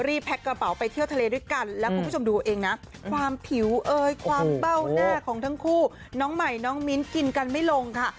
แพ็กกระเป๋าไปเที่ยวทะเลด้วยกันแล้วคุณผู้ชมดูเองนะความผิวเอยความเบ้าหน้าของทั้งคู่น้องใหม่น้องมิ้นกินกันไม่ลงค่ะ